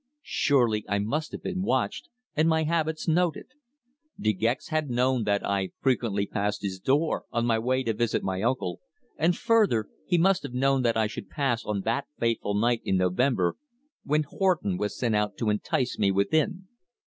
Surely I must have been watched, and my habits noted. De Gex had known that I frequently passed his door on my way to visit my uncle, and further, he must have known that I should pass on that fateful night in November when Horton was sent out to entice me within.